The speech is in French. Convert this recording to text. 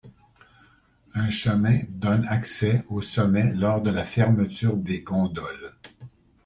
Un chemin donne accès au sommet lors de la fermeture des gondoles.